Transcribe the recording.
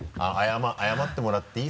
謝ってもらっていい？